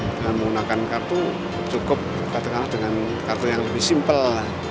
dengan menggunakan kartu cukup katakanlah dengan kartu yang lebih simpel